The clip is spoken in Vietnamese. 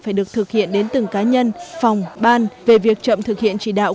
phải được thực hiện đến từng cá nhân phòng ban về việc chậm thực hiện chỉ đạo